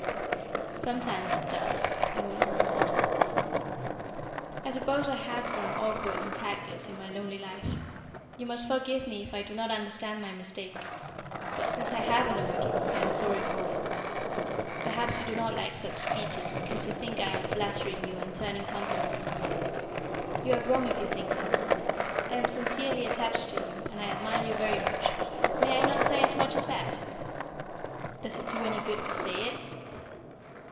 "Sometimes it does," Unorna answered. "I suppose I have grown awkward and tactless in my lonely life. You must forgive me if I do not understand my mistake. But since I have annoyed you, I am sorry for it. Perhaps you do not like such speeches because you think I am flattering you and turning compliments. You are wrong if you think that. I am sincerely attached to you, and I admire you very much. May I not say as much as that?" "Does it do any good to say it?"